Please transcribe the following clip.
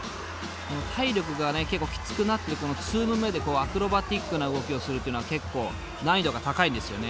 体力が結構きつくなってるこの２ムーブ目でアクロバティックな動きをするっていうのは結構難易度が高いんですよね。